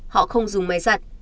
họ không dùng máy giặt